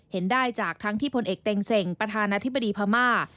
เห็นได้จากทั้งที่พลเอกเต็งเซ็งประธานาธิบดีพม่า